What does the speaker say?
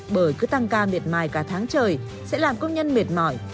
bởi cứ tăng ca miệt mài cả tháng trời sẽ làm công nhân mệt mỏi